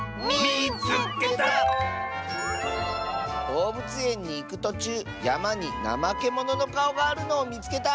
「どうぶつえんにいくとちゅうやまにナマケモノのかおがあるのをみつけた！」。